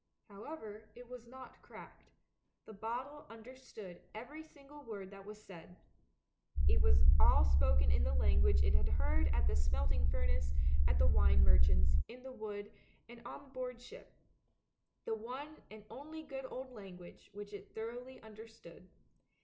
However, it was not cracked. The bottle understood every single word that was said, it was all spoken in the language it had heard at the smelting furnace, at the wine merchant's, in the wood, and on board ship — the one and only good old language which it thoroughly understood.